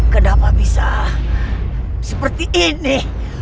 kenapa bisa seperti ini